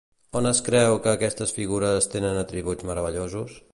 On es creu que aquestes figures tenen atributs meravellosos?